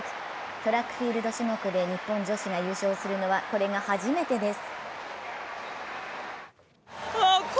トラック・フィールド種目で日本女子が優勝するのは、これが初めてです。